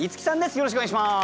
よろしくお願いします。